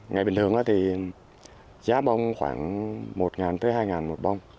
ngày bình thường thì giá bông khoảng một tới hai một bông